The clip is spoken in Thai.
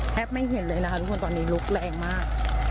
ไม่เห็นเลยนะคะทุกคนตอนนี้ลุกแรงมาก